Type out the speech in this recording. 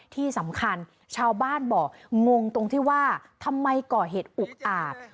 ที่สำคัญชาวบ้านบอกงงตรงที่ว่าทำไมก่อเหตุอุกอาจ